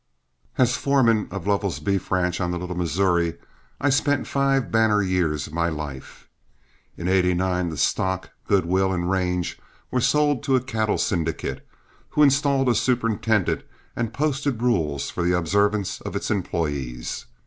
As foreman of Lovell's beef ranch on the Little Missouri I spent five banner years of my life. In '89 the stock, good will, and range were sold to a cattle syndicate, who installed a superintendent and posted rules for the observance of its employees.